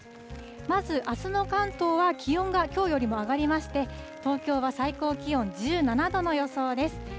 まずあすの関東は気温がきょうよりも上がりまして、東京は最高気温１７度の予想です。